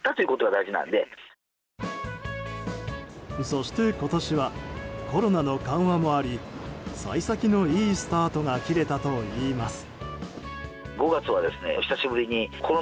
そして、今年はコロナの緩和もあり幸先の良いスタートが切れたといいます。